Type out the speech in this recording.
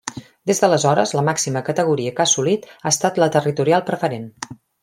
Des d'aleshores la màxima categoria que ha assolit ha estat la Territorial Preferent.